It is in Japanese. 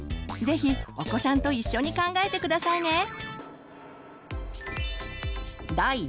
是非お子さんと一緒に考えて下さいね。